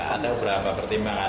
ada beberapa pertimbangan